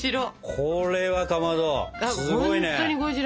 これはかまどすごいね。